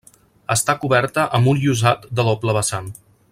Està coberta amb un llosat de doble vessant.